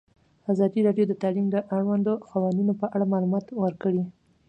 ازادي راډیو د تعلیم د اړونده قوانینو په اړه معلومات ورکړي.